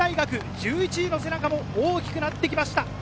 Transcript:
１１位の背中も大きくなってきました。